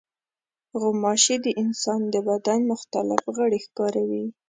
غوماشې د انسان د بدن مختلف غړي ښکاروي.